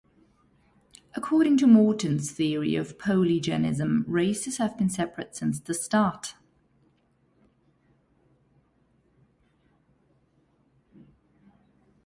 According to Mortons theory of polygenism, races have been separate since the start.